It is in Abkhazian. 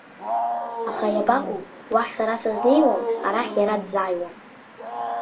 Аха иабаҟоу, уахь сара сызнеиуам, арахь иара дзааиуам.